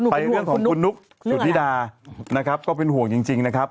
เรื่องของคุณนุ๊กสุธิดานะครับก็เป็นห่วงจริงนะครับ